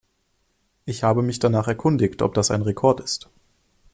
Ich habe mich danach erkundigt, ob das ein Rekord ist.